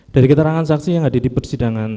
dari keterangan saksi yang ada di persidangan